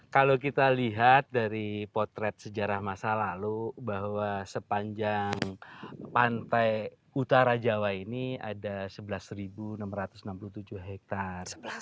kalau kita lihat dari potret sejarah masa lalu bahwa sepanjang pantai utara jawa ini ada sebelas enam ratus enam puluh tujuh hektare